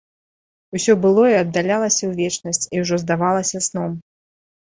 Усё былое аддалялася ў вечнасць і ўжо здавалася сном.